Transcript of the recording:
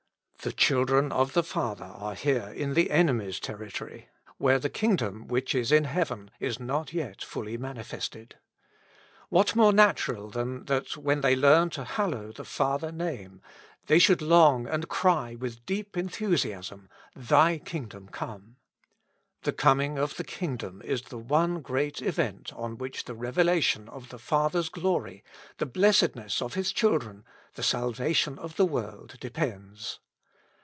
The children of the Father are here in the enemy's territory, where the kingdom, which is in heaven, is not yet fully manifested. What more natural than that, when they learn to hallow the Father name, they should long and cry with deep enthusiasm, "Thy kingdom come." The coming of the kingdom is the one great event on which the revelation of the Father's glory, the blessedness of His children, the salvation of the world depends.